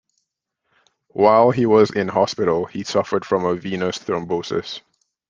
While he was in hospital, he suffered from a venous thrombosis.